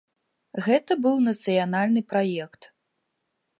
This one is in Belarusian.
Гэта быў нацыянальны праект.